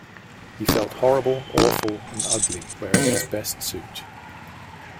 He felt horrible, awful, and ugly wearing his best suit.